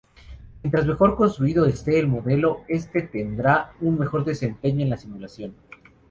Mientras mejor construido este el modelo este tendrá un mejor desempeño en la simulación.